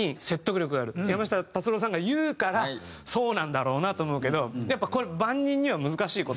山下達郎さんが言うからそうなんだろうなと思うけどこれ万人には難しい事だなと。